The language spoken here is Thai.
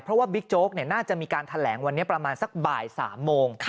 เพราะว่าบิ๊กโจ๊กน่าจะมีการแถลงวันนี้ประมาณสักบ่าย๓โมง